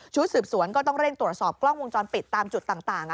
สืบสวนก็ต้องเร่งตรวจสอบกล้องวงจรปิดตามจุดต่าง